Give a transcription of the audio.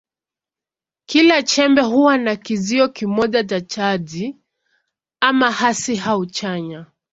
Kila chembe huwa na kizio kimoja cha chaji, ama hasi au chanya.